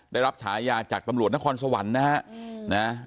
ได้รับฉายาจากตำรวจนครสวรรค์นะฮะ